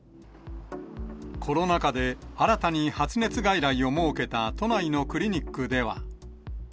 コロナ禍で新たに発熱外来を設けた都内のクリニックでは。